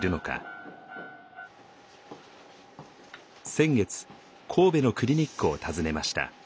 先月神戸のクリニックを訪ねました。